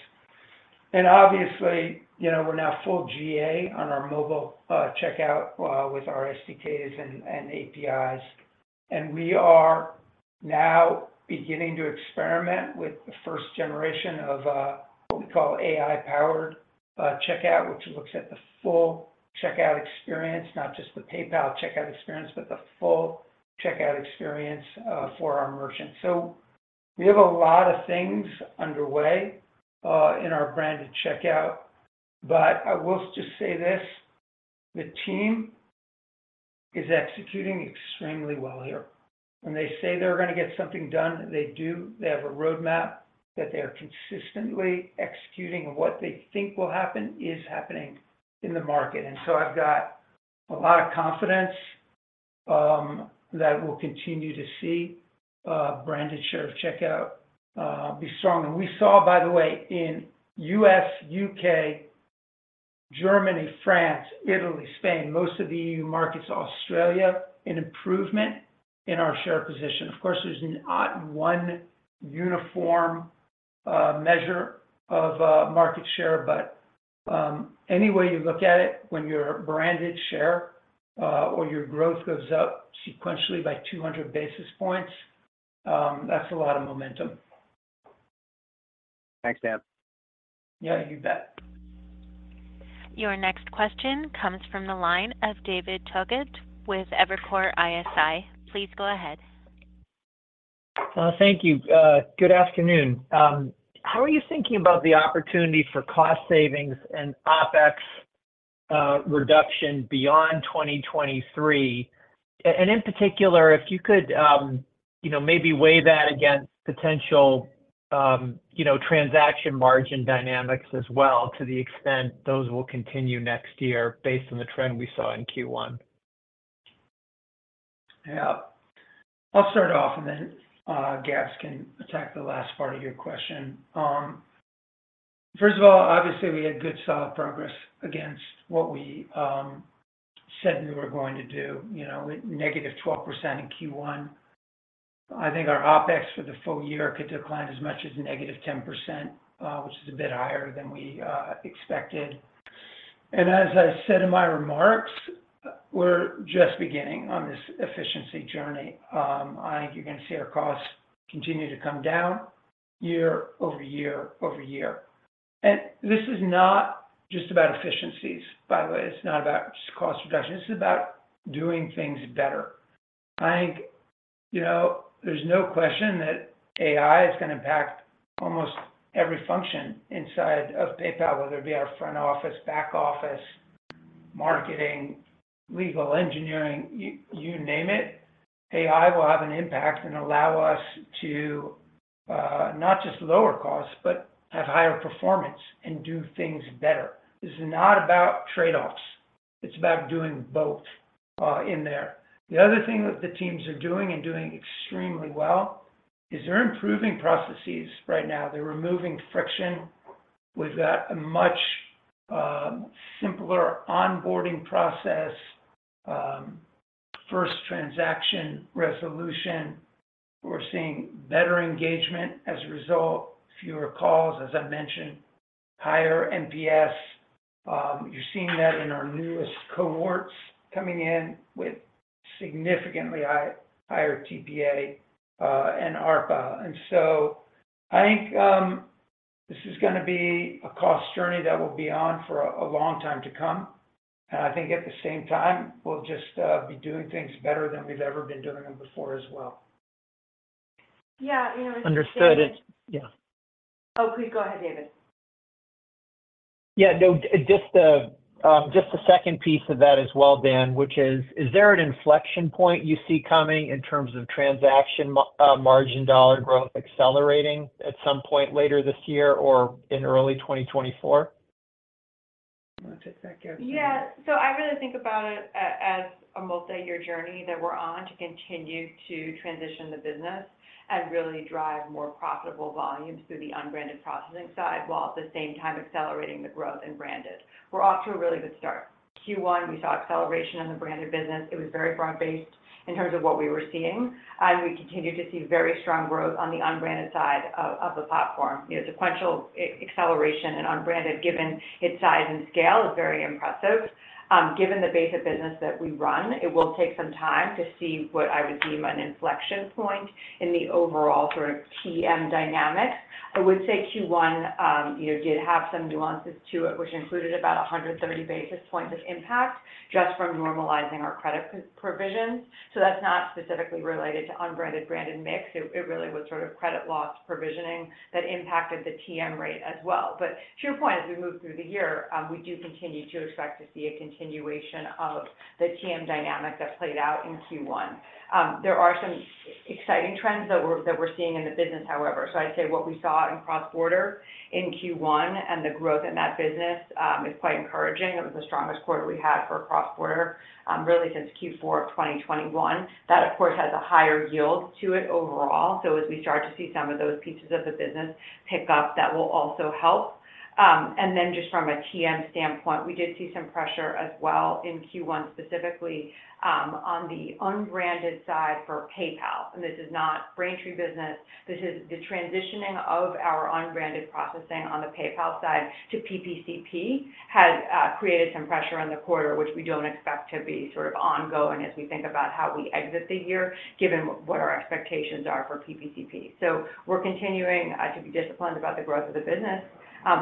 Obviously, you know, we're now full GA on our mobile checkout with our SDKs and APIs. We are now beginning to experiment with the first generation of what we call AI-powered checkout, which looks at the full checkout experience, not just the PayPal checkout experience, but the full checkout experience for our merchants. We have a lot of things underway in our branded checkout. I will just say this, the team is executing extremely well here. When they say they're gonna get something done, they do. They have a roadmap that they are consistently executing, and what they think will happen is happening in the market. I've got a lot of confidence that we'll continue to see branded share of checkout be strong. We saw, by the way, in US, UK, Germany, France, Italy, Spain, most of the EU markets, Australia, an improvement in our share position. Of course, there's not one uniform measure of market share. Any way you look at it, when your branded share or your growth goes up sequentially by 200 basis points, that's a lot of momentum. Thanks, Dan. Yeah, you bet. Your next question comes from the line of David Togut with Evercore ISI. Please go ahead. Thank you. Good afternoon. How are you thinking about the opportunity for cost savings and OpEx reduction beyond 2023? In particular, if you could, you know, maybe weigh that against potential, you know, transaction margin dynamics as well to the extent those will continue next year based on the trend we saw in Q1. Yeah. I'll start off, then Gabs can attack the last part of your question. First of all, obviously, we had good, solid progress against what we said we were going to do, you know, -12% in Q1. I think our OpEx for the full year could decline as much as -10%, which is a bit higher than we expected. As I said in my remarks, we're just beginning on this efficiency journey. I think you're gonna see our costs continue to come down year-over-year over year. This is not just about efficiencies, by the way. It's not about just cost reduction. This is about doing things better. I think, you know, there's no question that AI is gonna impact almost every function inside of PayPal, whether it be our front office, back office, marketing, legal, engineering. You name it, AI will have an impact and allow us to not just lower costs, but have higher performance and do things better. This is not about trade-offs. It's about doing both in there. The other thing that the teams are doing and doing extremely well is they're improving processes right now. They're removing friction. We've got a much simpler onboarding process, first transaction resolution. We're seeing better engagement as a result, fewer calls, as I mentioned, higher NPS. You're seeing that in our newest cohorts coming in with significantly higher TPA and ARPA. I think, this is gonna be a cost journey that we'll be on for a long time to come. I think at the same time, we'll just be doing things better than we've ever been doing them before as well. Yeah. Understood. Yeah. Oh, please go ahead, David. Yeah, no, just the, just the second piece of that as well, Dan, which is there an inflection point you see coming in terms of transaction margin dollar growth accelerating at some point later this year or in early 2024? I'll take that, Gabs. Yeah. I really think about it as a multi-year journey that we're on to continue to transition the business and really drive more profitable volumes through the unbranded processing side while at the same time accelerating the growth in branded. We're off to a really good start. Q1, we saw acceleration in the branded business. It was very broad-based in terms of what we were seeing, and we continue to see very strong growth on the unbranded side of the platform. You know, sequential acceleration in unbranded, given its size and scale, is very impressive. Given the base of business that we run, it will take some time to see what I would deem an inflection point in the overall sort of TM dynamic. I would say Q1, you know, did have some nuances to it, which included about 170 basis points of impact just from normalizing our credit provision. That's not specifically related to unbranded, branded mix. It really was sort of credit loss provisioning that impacted the TM rate as well. To your point, as we move through the year, we do continue to expect to see a continuation of the TM dynamic that played out in Q1. There are some exciting trends that we're seeing in the business, however. I'd say what we saw in cross-border in Q1 and the growth in that business is quite encouraging. It was the strongest quarter we had for cross-border, really since Q4 of 2021. That, of course, has a higher yield to it overall. As we start to see some of those pieces of the business pick up, that will also help. Just from a TM standpoint, we did see some pressure as well in Q1, specifically, on the unbranded side for PayPal. This is not Braintree business. This is the transitioning of our unbranded processing on the PayPal side to PPCP has created some pressure on the quarter, which we don't expect to be sort of ongoing as we think about how we exit the year, given what our expectations are for PPCP. We're continuing to be disciplined about the growth of the business.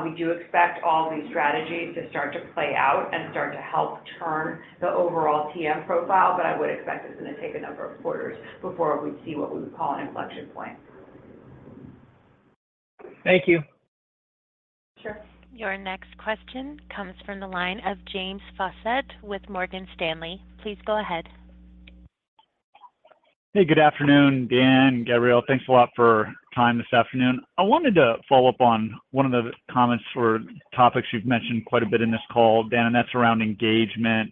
We do expect all these strategies to start to play out and start to help turn the overall TM profile, but I would expect it's gonna take a number of quarters before we see what we would call an inflection point. Thank you. Sure. Your next question comes from the line of James Faucette with Morgan Stanley. Please go ahead. Hey, good afternoon, Dan, Gabrielle. Thanks a lot for time this afternoon. I wanted to follow up on one of the comments or topics you've mentioned quite a bit in this call, Dan, and that's around engagement.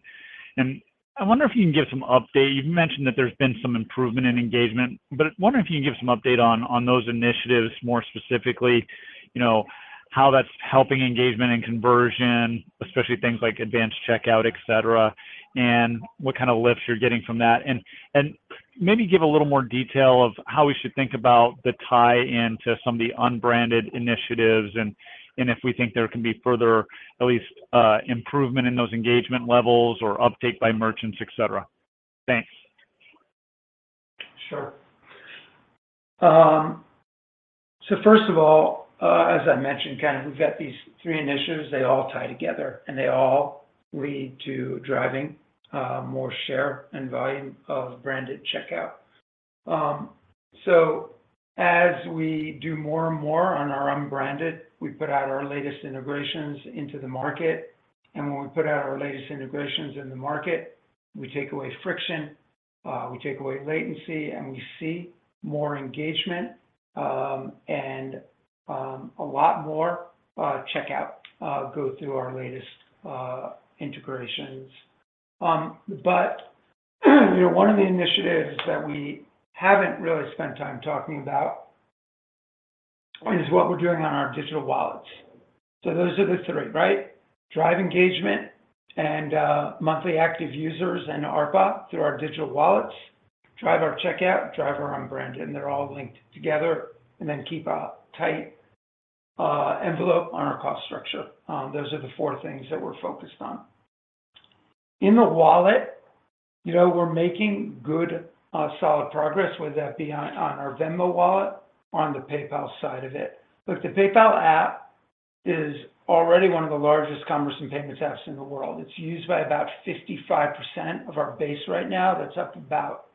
I wonder if you can give some update. You've mentioned that there's been some improvement in engagement, but I wonder if you can give some update on those initiatives more specifically, you know, how that's helping engagement and conversion, especially things like advanced checkout, et cetera, and what kind of lifts you're getting from that. Maybe give a little more detail of how we should think about the tie-in to some of the unbranded initiatives, and if we think there can be further at least improvement in those engagement levels or update by merchants, et cetera. Thanks. Sure. First of all, as I mentioned, kind of we've got these three initiatives. They all tie together, and they all lead to driving more share and volume of branded checkout. As we do more and more on our unbranded, we put out our latest integrations into the market. When we put out our latest integrations in the market, we take away friction, we take away latency, and we see more engagement, and a lot more checkout go through our latest integrations. You know, one of the initiatives that we haven't really spent time talking about is what we're doing on our digital wallets. Those are the three, right? Drive engagement, monthly active users and ARPA through our digital wallets, drive our checkout, drive our on-brand, and they're all linked together, keep a tight envelope on our cost structure. Those are the four things that we're focused on. In the wallet, you know, we're making good, solid progress, whether that be on our Venmo wallet or on the PayPal side of it. Look, the PayPal app is already one of the largest commerce and payments apps in the world. It's used by about 55% of our base right now. That's up about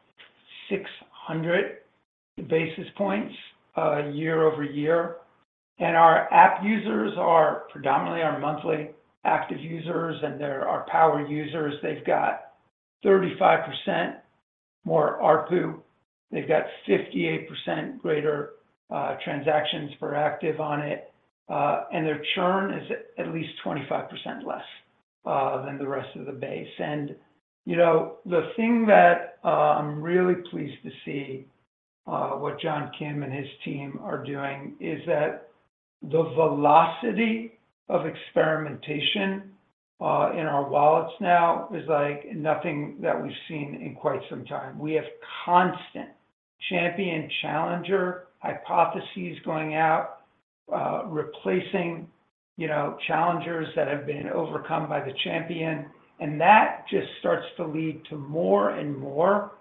600 basis points year-over-year. Our app users are predominantly our monthly active users, and they're our power users. They've got 35% more ARPU. They've got 58% greater transactions per active on it. Their churn is at least 25% less than the rest of the base. You know, the thing that I'm really pleased to see, what John Kim and his team are doing is that the velocity of experimentation in our wallets now is like nothing that we've seen in quite some time. We have constant champion-challenger hypotheses going out, replacing, you know, challengers that have been overcome by the champion. That just starts to lead to more and more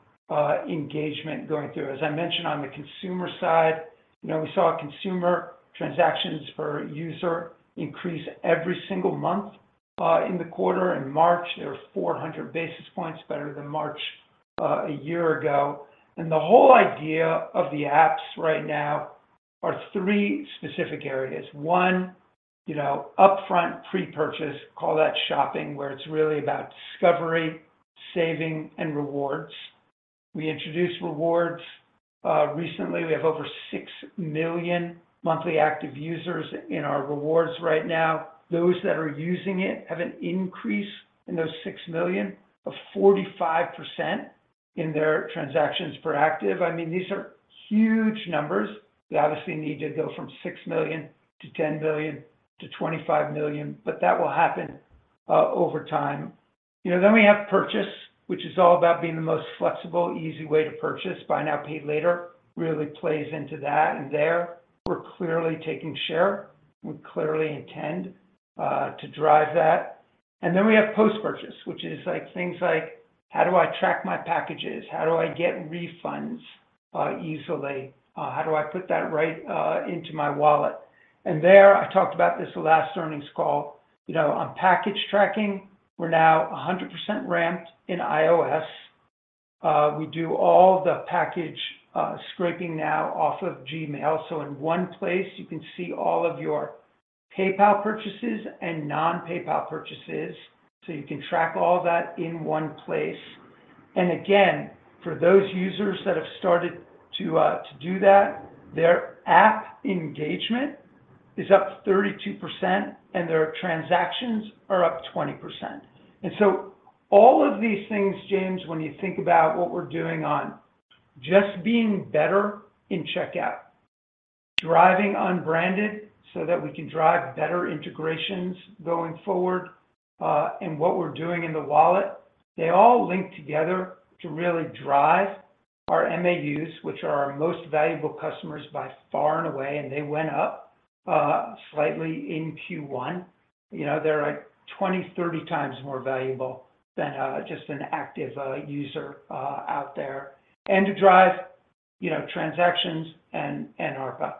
engagement going through. As I mentioned on the consumer side, you know, we saw consumer transactions per user increase every single month in the quarter. In March, they were 400 basis points better than March a year ago. The whole idea of the apps right now are three specific areas. One, you know, upfront pre-purchase, call that shopping, where it's really about discovery, saving, and rewards. We introduced rewards recently. We have over 6 million monthly active users in our rewards right now. Those that are using it have an increase in those 6 million of 45% in their transactions per active. I mean, these are huge numbers. We obviously need to go from 6 million to 10 billion to 25 million, but that will happen over time. You know, then we have purchase, which is all about being the most flexible, easy way to purchase. Buy Now, Pay Later really plays into that, and there we're clearly taking share. We clearly intend to drive that. We have post-purchase, which is like things like, how do I track my packages? How do I get refunds easily? How do I put that right into my wallet? I talked about this last earnings call, you know, on package tracking, we're now 100% ramped in iOS. We do all the package scraping now off of Gmail. You can see all of your PayPal purchases and non-PayPal purchases. You can track all that in one place. For those users that have started to do that, their app engagement is up 32% and their transactions are up 20%. All of these things, James, when you think about what we're doing on just being better in checkout, driving unbranded so that we can drive better integrations going forward, and what we're doing in the wallet, they all link together to really drive our MAUs, which are our most valuable customers by far and away, and they went up slightly in Q1. You know, they're like 20, 30 times more valuable than just an active user out there. To drive, you know, transactions and ARPA.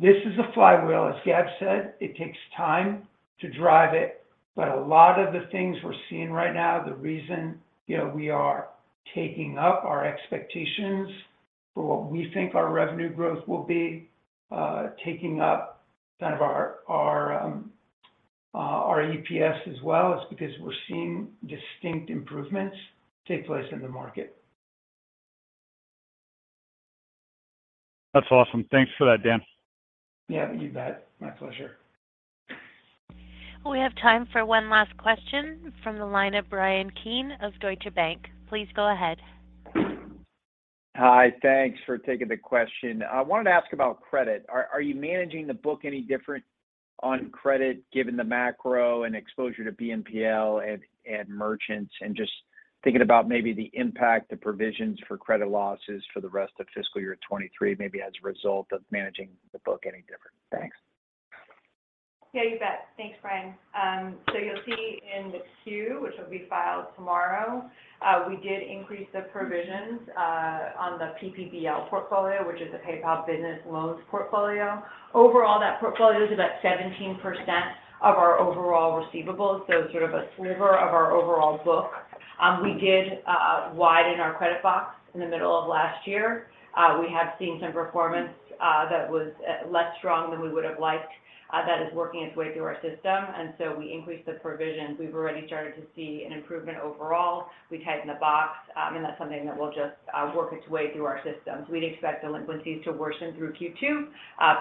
This is a flywheel. As Gab said, it takes time to drive it. A lot of the things we're seeing right now, the reason, you know, we are taking up our expectations for what we think our revenue growth will be, taking up kind of our, our EPS as well, is because we're seeing distinct improvements take place in the market. That's awesome. Thanks for that, Dan. Yeah, you bet. My pleasure. We have time for one last question from the line of Bryan Keane of Deutsche Bank. Please go ahead. Hi. Thanks for taking the question. I wanted to ask about credit. Are you managing the book any different on credit given the macro and exposure to BNPL and merchants? Just thinking about maybe the impact, the provisions for credit losses for the rest of fiscal year 2023, maybe as a result of managing the book any different. Thanks. Yeah, you bet. Thanks, Bryan. You'll see in the Q, which will be filed tomorrow, we did increase the provisions on the PPBL portfolio, which is the PayPal Business Loans portfolio. Overall, that portfolio is about 17% of our overall receivables, so sort of a sliver of our overall book. We did widen our credit box in the middle of last year. We have seen some performance that was less strong than we would have liked, that is working its way through our system. We increased the provisions. We've already started to see an improvement overall. We tightened the box. That's something that will just work its way through our systems. We'd expect delinquencies to worsen through Q2,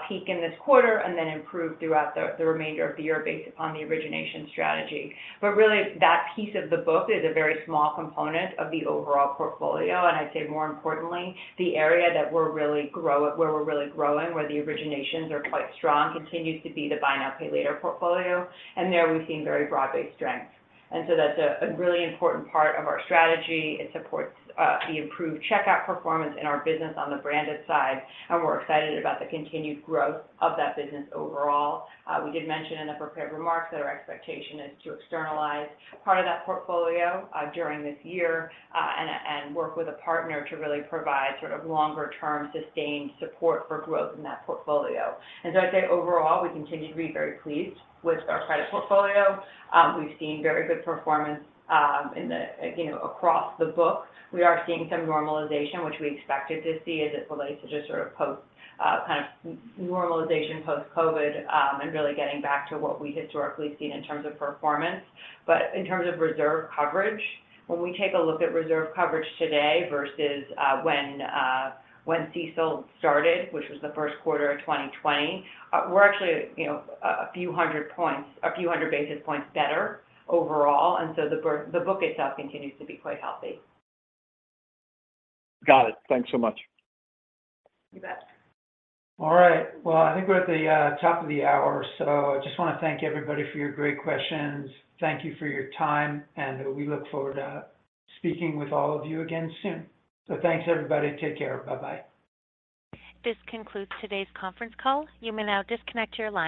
peak in this quarter, and then improve throughout the remainder of the year based upon the origination strategy. Really, that piece of the book is a very small component of the overall portfolio. I'd say more importantly, the area where we're really growing, where the originations are quite strong, continues to be the Buy Now, Pay Later portfolio. There we've seen very broad-based strength. That's a really important part of our strategy. It supports the improved checkout performance in our business on the branded side, and we're excited about the continued growth of that business overall. We did mention in the prepared remarks that our expectation is to externalize part of that portfolio during this year, and work with a partner to really provide sort of longer-term sustained support for growth in that portfolio. I'd say overall, we continue to be very pleased with our credit portfolio. We've seen very good performance, in the, you know, across the book. We are seeing some normalization, which we expected to see as it relates to just sort of post, kind of normalization post-COVID, and really getting back to what we've historically seen in terms of performance. In terms of reserve coverage, when we take a look at reserve coverage today versus, when CECL started, which was the first quarter of 2020, we're actually, you know, a few hundred points, a few hundred basis points better overall. The book itself continues to be quite healthy. Got it. Thanks so much. You bet. All right. Well, I think we're at the top of the hour. I just want to thank everybody for your great questions. Thank you for your time, and we look forward to speaking with all of you again soon. Thanks, everybody. Take care. Bye-bye. This concludes today's conference call. You may now disconnect your line.